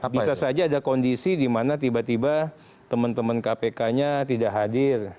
bisa saja ada kondisi dimana tiba tiba teman teman kpknya tidak hadir